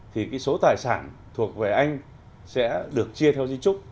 thì số tài sản thuộc về anh sẽ được chia theo duy trúc